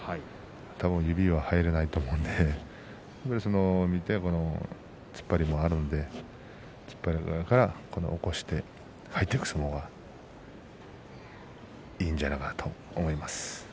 指は多分入れないと思うのでそれを見て突っ張りもあるので突っ張りがあるから起こして入っていく相撲がいいんじゃないかなと思います。